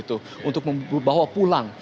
untuk membawa pulang